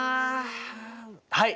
はい。